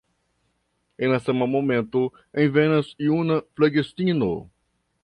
En la sama momento envenas juna flegistino.